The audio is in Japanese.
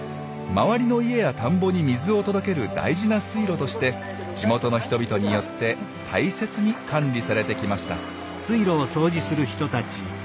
周りの家や田んぼに水を届ける大事な水路として地元の人々によって大切に管理されてきました。